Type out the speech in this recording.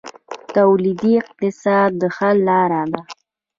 تولیدي اقتصاد د حل لاره ده